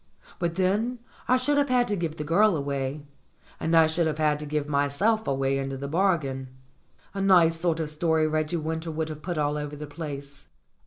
But then I should have had to give the girl away; and I should have had to give myself away into the bargain. A nice sort of story Reggie Winter would have put all over the place.